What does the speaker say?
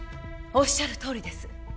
おっしゃるとおりです